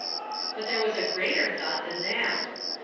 But there was a greater thought than that.